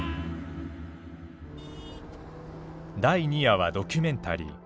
第二夜はドキュメンタリー。